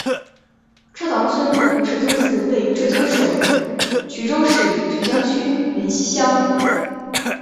车塘村吴氏宗祠位于浙江省衢州市衢江区云溪乡。